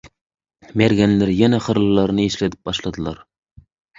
Mergenler ýene hyrlylaryny işledip başladylar.